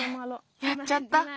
やっちゃった。